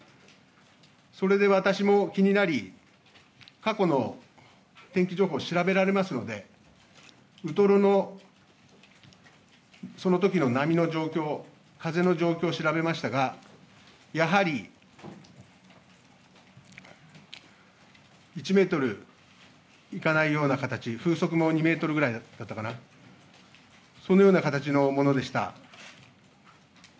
それで私も気になり、過去の天気情報を調べられますので、ウトロのそのときの波の状況、風の状況を調べましたが、やはり１メートルいかないような形、風速も２メートルぐらいだったかな、そのような形のものでした。